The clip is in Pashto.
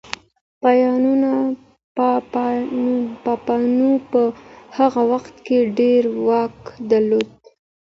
پاپانو په هغه وخت کي ډېر واک درلود.